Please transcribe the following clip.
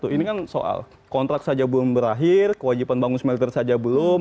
ini kan soal kontrak saja belum berakhir kewajiban bangun smelter saja belum